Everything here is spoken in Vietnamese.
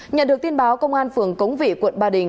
nhận được tin báo công an phường cống vị quận ba đình